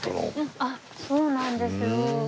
あっそうなんですよ。